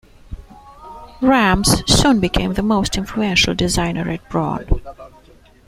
Rams soon became the most influential designer at Braun.